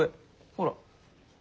ほら！